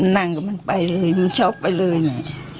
นั่งก็มันไปเลยมรูชอปไปเลยนะ